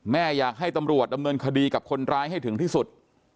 อยากให้ตำรวจดำเนินคดีกับคนร้ายให้ถึงที่สุด